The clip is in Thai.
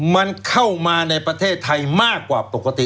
มันเข้ามาในประเทศไทยมากกว่าปกติ